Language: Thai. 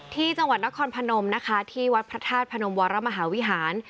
ที่จังหวัดนครพนมนะคะที่วัดพระธาตุพนมวรมหาวิหาร